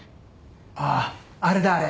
あああれだあれ。